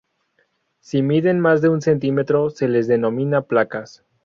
Si miden más de un centímetro se les denomina placas.